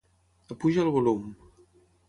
Apuja el volum.